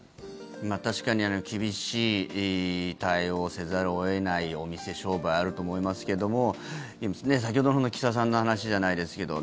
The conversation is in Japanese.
確かに厳しい対応をせざるを得ないお店、商売あると思いますけれども先ほどの岸田さんの話じゃないですけど。